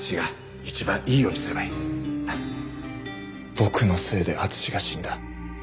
僕のせいで敦が死んだ。